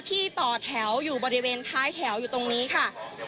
ต่อแถวอยู่บริเวณท้ายแถวอยู่ตรงนี้ค่ะ